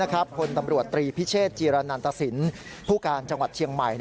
คนตำรวจตรีพิเชษจีรนันตสินผู้การจังหวัดเชียงใหม่